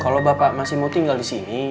kalau bapak masih mau tinggal di sini